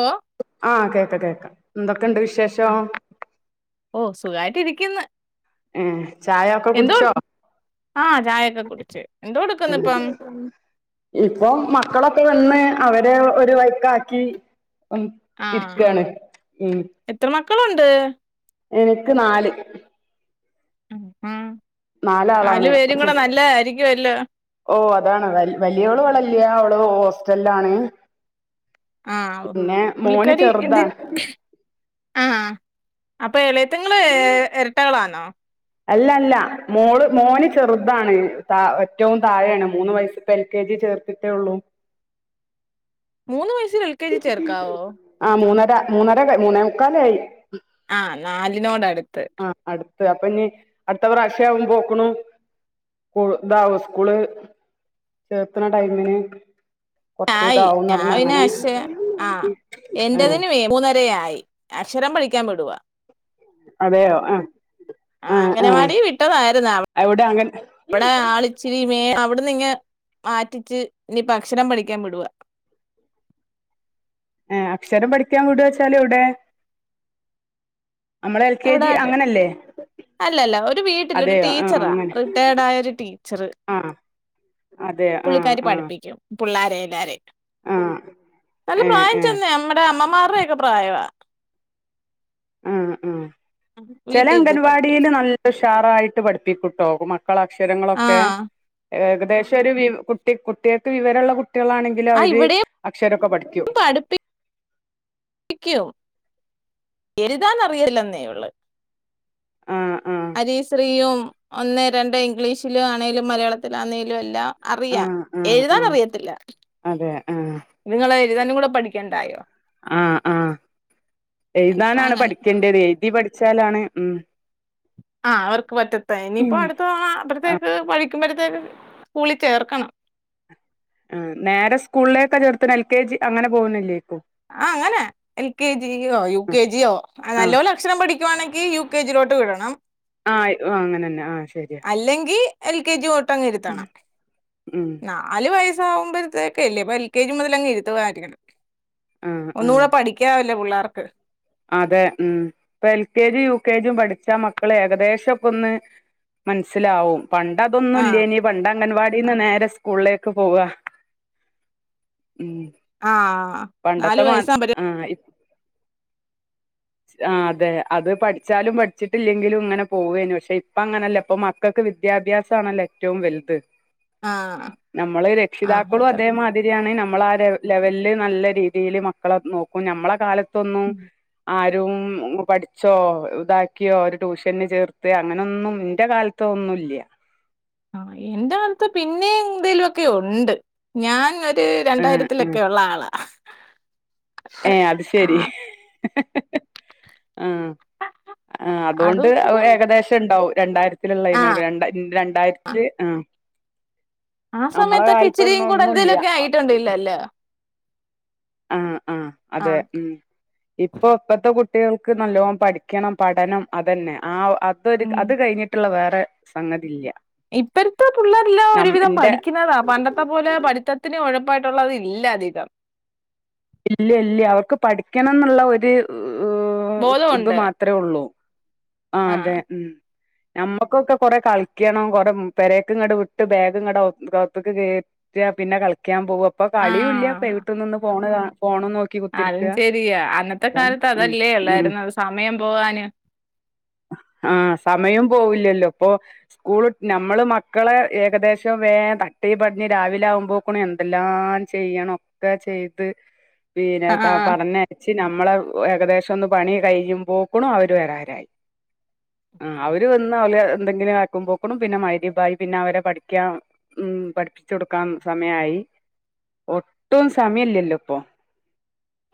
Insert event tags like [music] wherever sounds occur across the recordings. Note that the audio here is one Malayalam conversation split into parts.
ഓഹ് ആഹ് കേക്ക കേക്ക എന്തൊക്കെണ്ട് വിശേഷം? ഓഹ് സുഖായിട്ടിരിക്ക്ന്ന്. ഏഹ് ചായൊക്കെ എന്തോ കുടിച്ചോ? ആഹ് ചായൊക്കെ കുടിച്ച് എന്തെടുക്കുന്നിപ്പം. ഇപ്പൊ മക്കളൊക്കെ വന്ന് അവരെ ഒരു വൈക്കാക്കി. ഉം ആഹ് ഇരിക്കാണ് ഉം. എത്ര മക്കളുണ്ട് എനിക്ക് നാല് ഉം നാല് നാലാളാണ് പേരും കൂടെ നല്ലതായിരിക്കും അല്ലോ. ഓഹ് അതാണ് വലിയോള് ഇവിടെല്ല അവള് ഹോസ്റ്റലിലാണ് ആഹ് പിന്നെ മോന് പുള്ളിക്കാരി എന്ത് ചെറുതാണ് ആഹ് അപ്പ എളയത്തിങ്ങള് എരട്ടകളാണോ അല്ല അല്ല മോള് മോന് ചെറുതാണ് ഏറ്റവും താഴെയാണ് മൂന്ന് വയസ് ഇപ്പ എൽ കെ ജി ചേർത്തിട്ടേ ഉള്ളൂ മൂന്ന് വയസിൽ എൽ കെ ജി ചേർക്കാവോ? ആഹ് മൂന്നര മൂന്നര മൂന്നേ മുക്കാല്ലായി. ആഹ് നാലിനോടടുത്ത്. ആ അടുത്ത് അപ്പൊ ഇഞ്ഞ് അടുത്തപ്ര വശ്യാകുബ്ബോക്നും സ്ക്കൂൾ ഇതാവും സ്കൂൾ ചേർത്തണ ടൈമിന് കൊറച്ച് ആയി ഇതാവുംന്ന് ഞാൻ പറഞ്ഞ പിന്നെ അങ്ങനെ പക്ഷേ ആഹ് ആ എന്റതിന് മൂന്നര ആയി അക്ഷരം പഠിക്കാൻ വിടുവാ അതെയോ അഹ് ആഹ് അംഗനവാടി വിട്ടതായിരുന്നു അവ- അവിടെ അങ്ങനെ അവിടെ ആളിച്ചിരി മേ അവിടുന്ന് ഇങ്ങ് മാറ്റിച്ച് ഇനി ഇപ്പം അക്ഷരം പഠിക്കാൻ വിടുവാ ഏഹ് അക്ഷരം പഠിക്കാൻ വിടുവാച്ചാല് എവിടെ? നമ്മള് എൽ കെ ജി എവിടായിട്ട് അങ്ങനെയല്ലേ? അല്ലല്ല ഒരു വീട്ടില് ഒരു ടീച്ചറാ അങ്ങനെ റിട്ടയേർഡ് ആയ ഒരു ടീച്ചറ് ആ അതെയോ ആ പുള്ളിക്കാരി ആ പഠിപ്പിക്കും. പുള്ളാരെ എല്ലാരേം. ആ നല്ല ഏ പ്രായം ഏ ചെന്നേയാ നമ്മടെ അമ്മമാരുടെയൊക്കെ പ്രായവാ. ആഹ് ആഹ് ചില വീട്ടിരുത്തി അംഗൻവാടിയില് പഠിപ്പിക്കും നല്ല ഉഷാറായിട്ട് പഠിപ്പിക്കുട്ടോ മ ക്കള അക്ഷരങ്ങളൊക്കെ ആഹ് ഏകദേശം ഒരു വി കുട്ടി കുട്ടികൾക്ക് വിവരമുള്ള കുട്ടികളാണെ ങ്കില് ആ അവര് ഇവിടെയും അക്ഷരൊക്കെ പഠിക്കും. ഠിക്കും എഴുതാനറിയല്ലെന്നേ ഉള്ള്. ആഹ് ആഹ് ഹരിശ്രീയും ഒന്ന് രണ്ട് ഇംഗ്ലീഷിലും ആണേലും മലയാളത്തിലാണേലും എല്ലാം അറിയാം ആഹ് ആഹ് എഴുതാൻ ആഹ് അറിയത്തില്ല അതെ ആഹ് ഇതിങ്ങള് എഴുതാനും കൂടെ പഠിക്കണ്ടായോ ആഹ് ആഹ് ഇപ്പൊ എഴുതാനാണ് അങ്ങനെ പഠിക്കേണ്ടത് എഴുതി പഠിച്ചാലാണ് ഉം ആഹ് അവർക്ക് പറ്റത്തെ ഇനിയിപ്പോ അടുത്ത ആഹ് [unintelligible] ക്ക് പഠിക്കുമ്പഴത്തേക്ക് സ്കൂളിൽ ചേർക്കണം അഹ് നേരെ സ്കൂളിലേക്ക ചേർത്ത്ണെ എൽ കെ ജി അങ്ങനെ പോകുന്നില്ലേയ്ക്കു ആഹ് അങ്ങനെ എൽ കെ ജിയോ യു കെ ജിയോ നല്ല ആഹ് പോല അക്ഷരം പഠിക്കുവാണെങ്കി യു കെ ജിയിലോട്ട് വിടണം അഹ് യോ അങ്ങനെ തന്നെ ആഹ് ശരി അല്ലെങ്കിൽ എൽ കെ ജി ലോട്ടങ്ങ് ഇരുത്തണം ഉം എന്നാ നാല് വയസാകുമ്പോഴത്തേക്കല്ലേ അപ്പ എൽ കെ ജി മുതല് അങ്ങ് ഇരുത്തുവായിരിക്കും ആഹ് ഒന്നും ആഹ് കൂടെ പഠിക്കാവല്ലേ പുള്ളാർക്ക് അതെ ഉം ഇപ്പൊ എൽ കെ ജും യു കെ ജും പഠിച്ചാ മക്കള് ഏകദേശം ഒക്കെ ഒന്ന് മനസ്സിലാവും പണ്ടതൊന്നു ഇ ല്ലേനി പണ്ട് അംഗൻവാടിന്ന് നേരെ സ്കൂളിലേക്ക് പോവ ഉം ആഹ് നാല് പണ്ടത്തെ മാ വയസ്സാകുമ്പ ആഹ് ഇ- ആഹ് അതെ അത് പഠിച്ചാലും പഠിച്ചിട്ടില്ലെങ്കിലും ഇങ്ങനെ പോവായിനു പക്ഷെ ഇപ്പ അങ്ങനല്ല ഇപ്പൊ മ ക്കക്ക് വിദ്യാഭ്യാസാണല്ലൊ ഏറ്റവും വലുത് ആഹ് നമ്മള് ആഹ് രക്ഷിതാക്കളും എത്ര അതേ മാ തിരിയാണെ നമ്മള് ആ ലെവലില് നല്ല രീതിൽ മക്കളെ നോക്കും ഞമ്മളെ കാലത്തൊന്നും ആരും പഠിച്ചോ ഇതാക്കിയോ ഒരു ട്യൂഷന് ചേർത്തേ അങ്ങനൊന്നും എന്റെ കാല ത്തൊന്നുല്ല്യ അഹ് എന്റെ കാലത്ത് പിന്നെം എന്തേലുമൊക്കെ ഉണ്ട് ഞാൻ ഒരു ഏഹ് രണ്ടായിരത്തിലൊ ഏഹ് ഒക്കെയുള്ള ആളാ ഏഹ് അത് ആ ശരി. ആഹ് ആഹ് അതുകൊണ്ട് അതൊക്കെ ഉണ്ട് ഏകദേശം ട്ട്ണ്ടാവും രണ്ടായിരത്തിലുള്ള തിനോണ്ട് രണ്ടാ ആ രണ്ടായിരത്തി ആഹ് നമ്മള കാലത്തൊന്നും ഒന്നുല്ല്യ അ കണ്ടില്ലല്ലൊ ആഹ് ആഹ് ആ അതെ ഉം ഇപ്പൊ ഇപ്പത്തെ കുട്ടികൾക്ക് നല്ലോണം പഠിക്കണം പഠനം അതെന്നെ ആഹ് അ അതൊരു ഉം അത് കഴിഞ്ഞിട്ടുള്ള വേറെ സംഗതി ഇല്ല ഇപ്പഴത്തെ പിള്ളരെല്ലാം നം ഒരുവിധം ഇന്റെ പഠിക്കുന്നതാ പണ്ടത്തെ പോലെ പഠിത്ത- ത്തത്തിന് ഉഴപ്പായിട്ടുള്ളത് ഇല്ല അധികം ഇല്ല ഇല്ല അവർക്ക് പഠിക്കണം എന്നുള്ള ഒരു ഇത് ബോധമുണ്ട് മാത്ര- അത്രേള്ളൂ ആഹ് ആ അതെ മ്മക്കൊക്കെ കൊറ കളിക്കണം കൊറ പെരക് ഇങ്ങടെ വിട്ട് ബാഗങ്ങടെത്തക്ക് കേറി പിന്നെ കളിക്കാൻ പോക, ഇപ്പൊ ആ കളിയുല്ല വീട്ടിൽ നിന്ന് ഫോൺ ഫോൺ നോക്കി കുത്തിരിക്ക അതും ശെരിയാ അന്നത്തെ കാലത്ത് ഉം അതല്ലേ ഉം ഉള്ളായിരുന്നു സമയം പോകാന് ആഹ് സമയം പോവില്ലല്ലോ ഇപ്പൊ സ്കൂൾ നമ്മള് മക്കളെ ഏകദേശംവേം തട്ടി പടിഞ്ഞ് രാവിലെ ആകുമ്പോൾ പോണേ എന്തെല്ലാം ചെയ്യണം ഒക്കെ ചെയ്ത് പിന്നെ ആ പഠ ച്ചി നമ്മളെ ഏകദേശം ഒന്ന് പണി കഴിയുംമ്പോക്ണ് അവര് വരാരായി ആ അവര് വന്ന് ഒലെ എന്തെങ്കിലും ആക്കും പോക്കണു പിന്നെ മഹരിബായി പിന്നെ അവരെ പഠിക്കാം ഉം പഠിപ്പിചോടുക്കാൻ സമയായി ഒട്ടും സമല്ലല്ലോ ഇപ്പൊ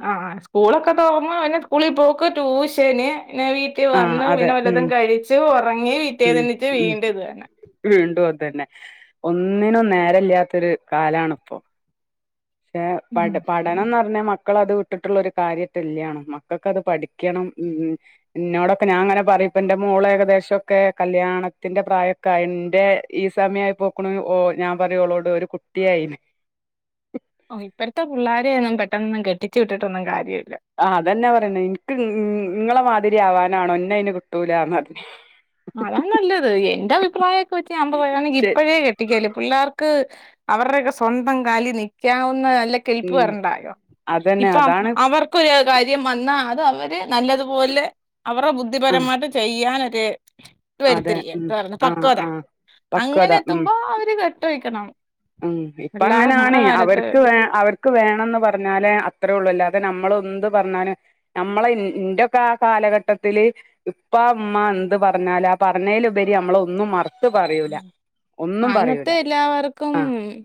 ആഹ് സ്കൂളൊക്കെ തോറന്ന് പിന്നെ സ്കൂളിൽ പോക്ക് ട്യൂഷന് പിന്നെ വീട്ട റട്ടി ആഹ് വന്ന് അതെ പിന്നെ ഉം വല്ലതും കഴിച്ച് ഒറങ്ങി വിറ്റെനെണീച്ചിട് വീണ്ട ഇത് തന്നെ മ്മ് വീണ്ടും അതുന്നെ ഒന്നിനും നേര ഇല്ലാത്തൊരു കാലണ് ഇപ്പം ഏഹ് ഉം പട് പട് പഠനംന്ന് പറഞ്ഞാൽ മക്കളഅത് വിട്ടിട്ടുള്ളൊരു കാര്യറ്റെലൊണു മക്കൾക്ക് അത് പഠിക്കണം മം നന്നോടൊക്കെ ഞാൻ അങ്ങനെ പറയും ഇപ്പ എന്റെ മോള ഏകദേശൊക്കെ കല്യാണത്തിന്റെ പ്രായക്കെ ആയിൻറെ ഈ സമയ ആയി പോകുണ് ഓ ഞാൻ പറയൂള്ളളോട് ഒരു കുട്ടിയി ഓ ഇപ്പഴത്തെ പുള്ളോരെയ ഒന്നും പെട്ടൊന്നും കെട്ടിച്ചു വിട്ടിട്ടൊന്നും കാര്യല്ല ആ അതെന്നെ പറയണെ ഇന്ക്ക് ഇങ്ങളെ മാതിരി ആവാനാണോ ഇന്നേഅന് കിട്ടൂലന്ന പറയും അതാ നല്ലത് എന്റെ അഭിപ്രായൊക്കെവെച്ച് ഞൻ പറയാന്ന് ശെ ഇപ്പോഴേ കെ കെട്ടികല്ലേ പിള്ളേർക്ക് അവരുടെയൊക്കെ സ്വന്തം കാലി നിൽക്കാവുന്ന അല്ല കെൽപ്പ് ഉം വരുണ്ടായോ അതന്നെ ഇപ്പം അതാണ് അവർക്ക് ഇപ്പം ഒരു കാര്യം വന്നാൽ അത് അവര് നല്ലതുപോലെ അവരെ ആഹ് ബുദ്ധിപരമായിട്ട് ചെയ്യാനോരു ത് അതെ വരത്തില്ലേ ഉം ആഹ് പക്വതാ ആഹ് പക്വത അങ്ങനെ എത്തുമ്പോ അവര് കെട്ട് കഴിക്കണം മം ഇപ്പ അങ്ങനെയാണ അവർക്ക് വേ അവർക്ക് ക്ക്‌ വേണന്ന് പറഞ്ഞാേലെ അത്രേള്ളൂ എല്ലാതെ നമ്മള ഒന്ന് പറഞ്ഞാല് നമ്മളെ ന്ന് ഇന്റെയൊക്കെ ആ കാലഘട്ടത്തില് ഇപ്പാ ഉമ്മ എന്ത് പറഞ്ഞാല പറഞ്ഞലുപരി നമ്മള ഒന്നും മറത് പറയൂല ഒന്നും പറയുല ക്കും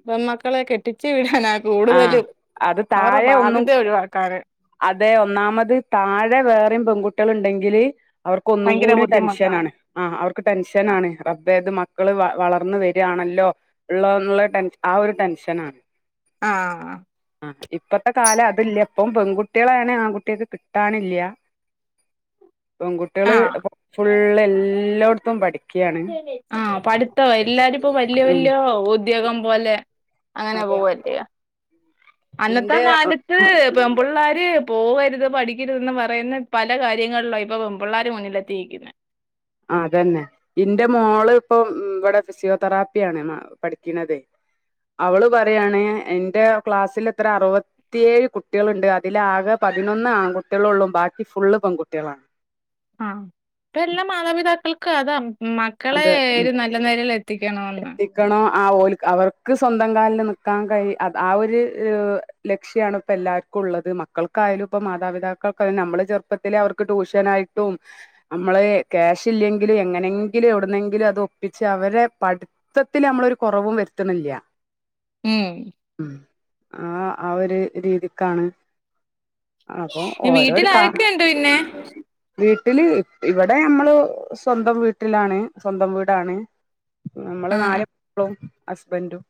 പെമക്കളെ കെട്ടിച്ചു വിടാനാ ആഹ് കൂടുതലും, അത് അവരുടെ താഴെ ഒന്നും ബാധ്യത ഒഴിവാക്ക ക്കാൻ അതെ ഒന്നാമത് താഴെ വേറെം പെൺകുട്ടികള ഇണ്ടെങ്കില് അവർക്ക് ഒന്നും ഭയങ്കര കൂടിയ ബുദ്ധിമുട്ടാ ടെൻഷനാണ് ആഹ് അവർക്ക് ടെൻഷനണ് റബ്ബെ ത് മക്കള വ വളർന്ന് വരാണല്ലോ ഉള്ള എന്നുള്ള ടെൻ ആ ഒരു ടെൻഷനാണ് ആഹ് ഇപ്പത്തെ കാലം അതില്ല ഇപ്പം പെൺകുട്ടി കുട്ടികളനെ ആൺകുട്ടികക്ക് കിട്ടാന്ല്ല പെൺകുട്ടികള് ഇപ് ഫുള്ള് ആഹ് എല്ലായിടത്തും പഠിക്കയാണ് തോ എല്ലാരുംപ്പോ വല്യ ഉം വല്യ ഉദ്യോഗം പോലെ അങ്ങനെ അതെ പോവല്ല അന്നത്ത ഇന്റെ കാല ഇത് പെൺപുള്ളേർ പോകരുത് പഠിക്കരുത് പറയുന്ന പല കാര്യങ്ങളിലോ ഇപ്പൊ പെൺപുള്ളേർ മുന്നില തിക്ക്ന്നെ അതന്നെ ഇന്റെ മോള് ഇപ്പം ഇവടെ ഫിസിയോതെറാപ്പിയാണെ പഠിക്കണതെ അവള് പറയാണ് എന്റെ ക്ലാസ്സലത്ര അറു ത്തിയേഴ് കുട്ടികളുണ്ട് അതിലാകെ പതിനൊന്ന് ആൺകുട്ടികളോള്ളും ബാക്കി ഫുള് പെൺകുട്ടികളാന്ന് ആഹ് ഇപ്പ എല്ലാ മാതാപിതാക്കൾക്ക് അതാ മ ക്കളെ അത് ഒരു നല്ല നെലേല് എത്തിക്കണോന്ന് നിക്കണോ ആഹ് ഓലെ അവർക്ക് സ്വന്തം കാലിൽ നിക്കാൻ കഴി ആ ഒരു ഏഹ് ലക്ഷ്യണ് ഇപ്പോ എല്ലാർക്കുള്ളത് മക്കൾക്കായാലും ഇപ്പം മാതാപിതാക്കൾക്കായാലും നമ്മള് ചെറുപ്പത്തിലെ അവർക്ക് ട്യൂഷനായി ട്ടും നമ്മള് ക്യാഷ് ഇല്ലെങ്കിലും എങ്ങനെ ങ്കിലും എവിടുന്നെങ്കിലും അത് ഒപ്പിച്ച് അവരേ പഠിത്തത്തില് നമ്മളൊരു കൊറവും വരുത്തണില്ല മ്മ് മ്മ് ആഹ് ആഹ് ഒരു രീതിക്കാണ് അപ്പൊ ഓരോരോ വീട്ടിൽ കാ ആരൊക്കെ ഉണ്ട് പിന്നെ വീട്ടില് ഇവടെ നമ്മള് സ്വന്തം വീട്ടിലാണ് സ്വന്തം വീടാണ് നമ്മള് ആഹ് നാല് [unintelligible] ഹസ്ബൻഡും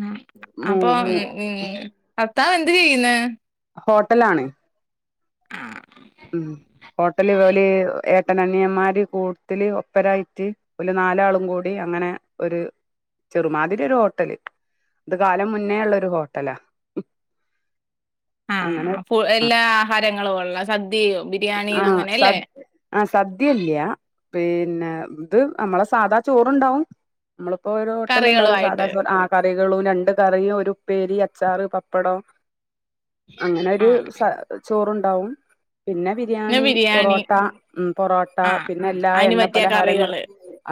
ആഹ് മൂ അപ്പൊ മൂ ഭർത്താവ് എന്ത് ചെയ്യ്ന്ന്? ഹോട്ടലാണ് ആഹ് മ്മ് ഹോട്ടല് ജോലി ഏ ഏട്ടനനിയന്മാര് കുട്ട്തില് ഒപ്പരായിട്ട് ഓല് നാലാളും കൂടി അങ്ങനെ ഒരു ചെറുമാതിരി ഒരു ഹോട്ടല് അത് കാലം മുന്നേ ഉള്ളൊരു ഹോട്ടലാ അങ്ങനെ ആഹ് എല്ലാ ആഹാരങ്ങളുവോള്ള സദ്യോ ആഹ് സ ആഹ് സദ്യയില്ല്യ പിന്നെ ഇത് നമ്മളെ സാധാ ചോറുണ്ടാവും നമ്മളിപ്പോ ഒരു ഹോട്ടലിണ്ടാവോലെ സാധാ കറികളുമായിട്ട് ചോറ് ആഹ് കറികളും രണ്ട് കറിയും ഒരു ഉപ്പേരി അച്ചാറ് പപ്പടം അങ്ങനൊരു ആഹ് സ ചോറുണ്ടാവും പിന്നെ ബിരിയാണി, പൊറോട്ട മ്മ് പൊറോട്ട ആഹ് പിന്നെല്ലാ അയിന് എണ്ണ പറ്റിയ പലഹാരങ്ങളും കറികള്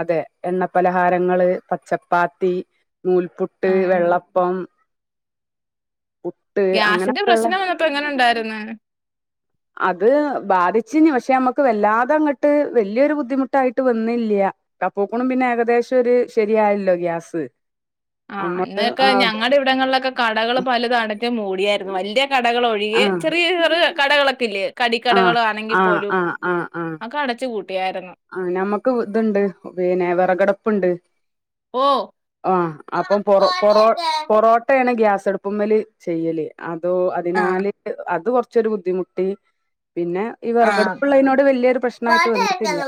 അതെ എണ്ണ പലഹാരങ്ങള് പച്ചപ്പാത്തി നൂൽപ്പുട്ട്, ആഹ് വെള്ളപ്പം, പുട്ട് അങ്ങനെക്കെള്ളേ എങ്ങനൊണ്ടാരുന്ന് അത് ബാധിച്ചിഞ് പക്ഷെ നമ്മുക്ക് വല്ലാതെ അങ്ങട്ട് വല്യൊരു ബുദ്ധിമുട്ടായിട്ട് വന്നില്ല. [unintelligible] പിന്നെ ഏകദേശൊരു ശരിയായാല്ലോ ഗ്യാസ് ആഹ് നമ്മള് അന്നെക്കെ ആഹ് ഞങ്ങടെ ഇവടങ്ങളിലക്കെ കടകള് പലത് അടഞ്ഞ് മൂടിയായിരുന്നു വല്യ കടകളൊഴികെ ആഹ് ചെറിയ ചെറ കടകളക്കെയില്ലേ ആഹ് കടിക്കടകളാണെങ്കിൽ ആഹ് പോലും ആഹ് ആഹ് ആഹ് അതക്ക അടച്ച് പൂട്ടിയായിരുന്നു ആഹ് നമ്മക്ക് ഇതുണ്ട് പിന്നെ വെറകടപ്പുണ്ട് ഓ ആഹ് അപ്പം പൊറ പൊറോ ആഹ് പൊറോട്ടയാണ് ഗ്യാസടുപ്പമ്മേല് ചെയ്യല് അതോ ആഹ് അതിനാല് അത് കൊറച്ചൊരു ബുദ്ധിമുട്ടി പിന്നെ ഈ വെറകടുപ്പുള്ളതിനോട് വല്യോരു പ്രശ്നായിട്ട് വന്നിട്ടില്ല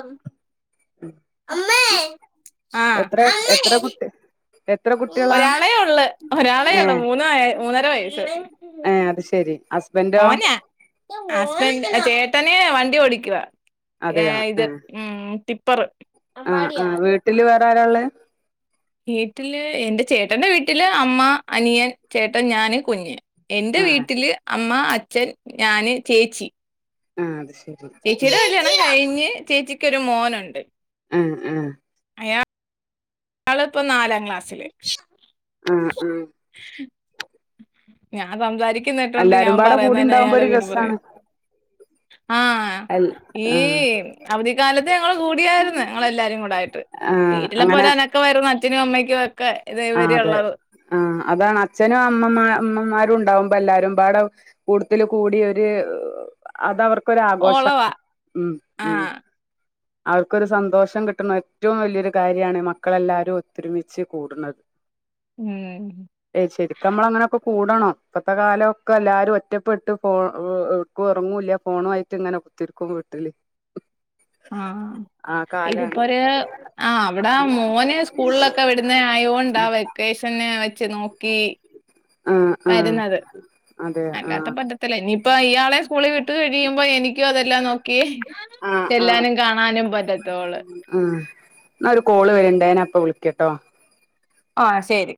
ആഹ് എത്ര എത്ര കുട്ടി എത്ര കുട്ടികളാ ഒരാളെ ഒള്ള് ഒരാളേ ഒള്ളൂ ഏഹ് മൂന്ന് മൂന്നര വയസ്സ് ഏഹ് അത് ശെരി ഹസ് മോനാ അസ്ബൻ ചേട്ടന് വണ്ടിയോടിക്കുവാ അതെയോ ഏഹ് ഇത് ആഹ് മ്മ് ടിപ്പറ് ട്ടില് വേറാരാ ഇള്ളെഹ് വീട്ടില് എൻ്റെ ചേട്ടന്റെ വീട്ടില് അമ്മ, അനിയൻ, ചേട്ടൻ, ഞാന്, കുഞ്ഞ് എന്റെ ആഹ് വീട്ടില് അമ്മ, അച്ഛൻ, ഞാന് ചേച്ചി ആഹ് അത് ശെ ചേച്ചിടെ കല്യാണം കഴിഞ്ഞ് ചേച്ചിക്കൊരു മോനുണ്ട് ആഹ് ആഹ് അയാ ള് ഇപ്പ നാലാം ക്ലാസ്സില് ആഹ് ആഹ് ഞാൻ സംസാരിക്ക് അല്ലാരും പാടെ കൂടി ഇണ്ടാവുമ്പ ഒര് രസാണ് ആഹ് അൽ ഈ ആഹ് അവധിക്കാലത്ത് ഞങ്ങള് കൂടിയായിര്ന്ന് ഞങ്ങളെല്ലാരും കൂടെ ആയിട്ട് ആഹ് വീട്ടിലപ്പ അങ്ങനെ ഒര് അനക്കവായിരുന്നു അച്ഛനും അമ്മയ്ക്കു ഒക്കെ ഇത് ആഹ് ഇവര് അതെ ഉള്ളത് ആഹ് അതാണ് അച്ഛനും അമ്മമാ അമ്മമാരും ഉണ്ടാവുമ്പൊ എല്ലാരുംപാടെ കൂട്ത്തില് കൂടിയൊര് അത് അവർക്കൊര് ആഘോഷാണ് ഓളവാ ഉം ഉം ആഹ് അവർക്കൊരു സന്തോഷം കിട്ട്ണ ഏറ്റവും വല്യൊരു കാര്യാണ് മക്കളെല്ലാരും ഒത്തൊരുമിച്ച് കൂട്ണത് ഉം ഹും ഹും എഹ് ശരിക്കും അമ്മളങ്ങനെ ഒക്കെ കൂടണം ഇപ്പത്തെ കാലൊക്കെ എല്ലാരും ഒറ്റപ്പെട്ട് പോ ഓഹ് ഇഹ് എവ് ക്കു എറങ്ങുല്ല ഫോണുആയിറ്റ് ഇങ്ങനെ കുത്തിരിക്കും വീട്ട്ല് ആഹ് ഇതിപ്പ കാലാണ് ഒര് ആഹ് വ്ടെ മോന് സ്കൂളിലൊക്കെ വിടുന്നെ ആയോ ണ്ടാ വെക്കേഷന് വെച്ച് നോക്കി ആ ആ വരുന്നത് അതെ ആ അല്ലാത്ത പ്പറ്റത്തില്ല ഇനിയിപ്പോ ഇയാളെ സ്കൂളി വിട്ട് കഴിയുമ്പോ എനിക്കും അതെല്ലാം നോക്കിയേ ആ ചെല്ലാനും കാണാനും പറ്റത്തോള്ള് ആഹ് ന്നാ ഒരു കോള് വെര്ണ്ടേ നാ പ്പ വിളിക്ക്യട്ടോ ആഹ് ശരി